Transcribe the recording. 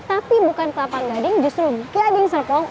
tapi bukan kelapa gading justru gading serpong